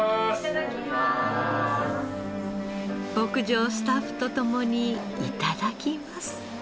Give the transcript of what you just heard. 牧場スタッフと共に頂きます。